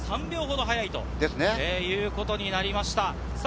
２３秒ほど速いということになりました。